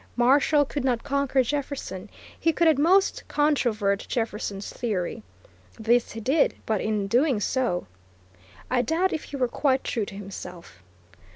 Marshall could not conquer Jefferson, he could at most controvert Jefferson's theory. This he did, but, in doing so, I doubt if he were quite true to himself.